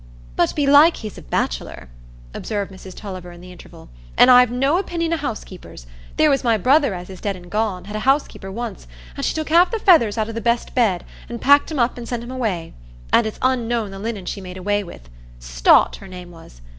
"But belike he's a bachelor," observed Mrs Tulliver, in the interval; "an' I've no opinion o' housekeepers. There was my brother, as is dead an' gone, had a housekeeper once, an' she took half the feathers out o' the best bed, an' packed 'em up an' sent 'em away. An' it's unknown the linen she made away with—Stott her name was.